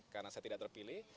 karena saya tidak terpilih